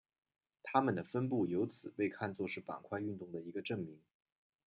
它们的分布因此被看作是板块运动的一个证明。